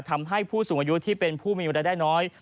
ทำให้ผู้สูงอายุที่เป็นผู้มีเวลาได้น้อย